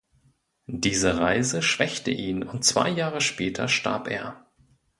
Diese Reise schwächte ihn und zwei Jahre später starb er.